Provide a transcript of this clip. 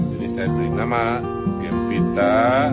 jadi saya beri nama gembita